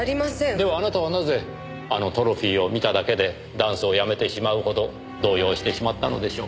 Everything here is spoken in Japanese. ではあなたはなぜあのトロフィーを見ただけでダンスをやめてしまうほど動揺してしまったのでしょう？